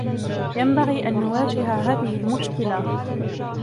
ينبغي أن نواجه هذة المشكلة.